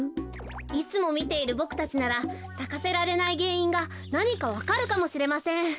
いつもみているボクたちならさかせられないげんいんがなにかわかるかもしれません。